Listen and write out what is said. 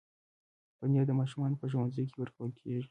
پنېر د ماشومانو په ښوونځیو کې ورکول کېږي.